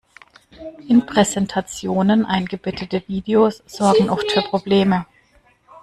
In Präsentationen eingebettete Videos sorgen oft für Probleme.